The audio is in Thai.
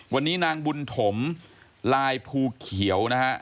วันนี้นางบุญถมลายภูเขียวนะฮะ